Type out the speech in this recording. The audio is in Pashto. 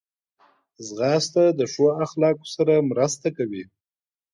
ځغاسته د ښو اخلاقو سره مرسته کوي